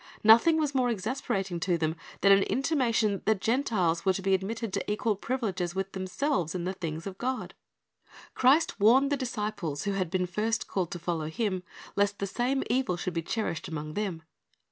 Nothing was more exasperating to them than an intimation that the Gentiles were to be admitted to equal privileges with themselves in the things of God. Christ warned the disciples who had been first called to follow Him, lest the same evil should be cherished among them.